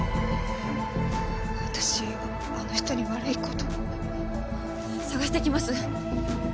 私あの人に悪いこと捜してきます